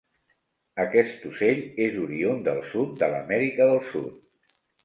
Aquest ocell és oriünd del sud de l'Amèrica del Sud.